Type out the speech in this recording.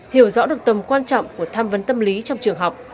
hiểu rõ được tầm quan trọng của tham vấn tâm lý trong trường học